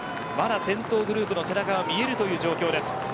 先頭グループの背中はまだ見える状況です。